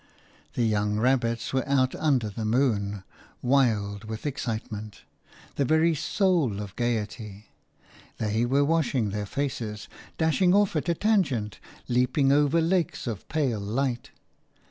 The young rabbits were out under the moon, wild with excitement, the very soul of gaiety: they were washing their faces, dashing off at a tangent, leaping over lakes of pale light.